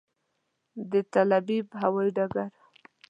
د تل ابیب هوایي ډګر کې.